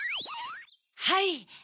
はい。